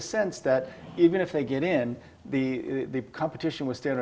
kompetisi dengan perusahaan standar